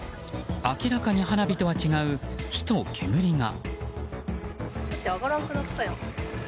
明らかに花火とは違う火と煙が。